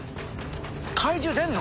怪獣出んの？